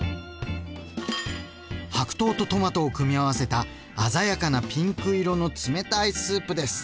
白桃とトマトを組み合わせた鮮やかなピンク色の冷たいスープです。